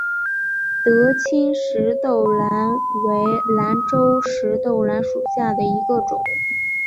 德钦石豆兰为兰科石豆兰属下的一个种。